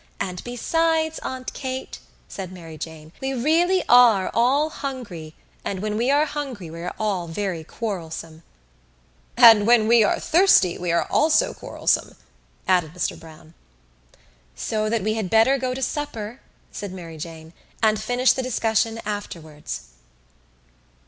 "And besides, Aunt Kate," said Mary Jane, "we really are all hungry and when we are hungry we are all very quarrelsome." "And when we are thirsty we are also quarrelsome," added Mr Browne. "So that we had better go to supper," said Mary Jane, "and finish the discussion afterwards."